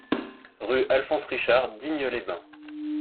Rue Alphonse Richard, Digne-les-Bains